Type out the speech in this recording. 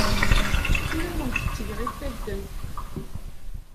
Ur awent-ttgeɣ ifadden.